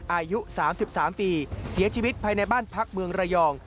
อายุ๓๓ปีเสียชีวิตภายในบ้านพักเมืองระยอง